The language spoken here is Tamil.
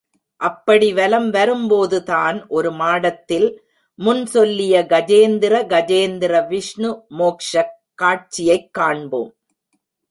அப்படி வலம் வரும்போதுதான், ஒருமாடத்தில் முன் சொல்லிய கஜேந்திர கஜேந்திர விஷ்ணு மோக்ஷக் காட்சியைக் காண்போம்.